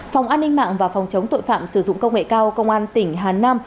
phòng an ninh mạng và phòng chống tội phạm sử dụng công nghệ cao công an tỉnh hà nam